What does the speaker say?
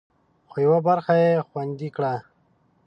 خو، یوه برخه یې خوندي کړه